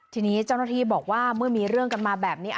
ทีนี้เจ้าหน้าที่บอกว่าเมื่อมีเรื่องกันมาแบบนี้